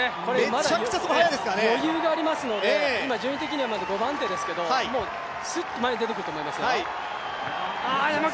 まだ余裕がありますので順位的には５番手ですけどもう、すっと前に出てくると思いますよ。